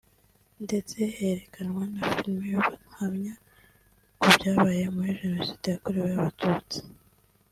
ndetse herekanwa na filimi n’ubuhamya ku byabaye muri Jenoside yakorewe abatutsi